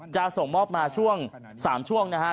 จะส่งมอบมาช่วง๓ช่วงนะครับ